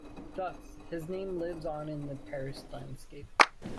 Thus, his name lives on in the Paris landscape.